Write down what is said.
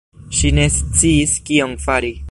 Ŝi ne sciis kion fari.